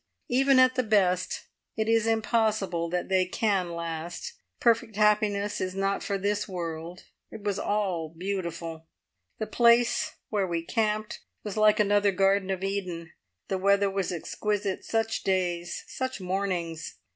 Even at the best it is impossible that they can last. Perfect happiness is not for this world. It was all beautiful. The place where we camped was like another Garden of Eden; the weather was exquisite, such days, such mornings!